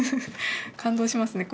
感動しますね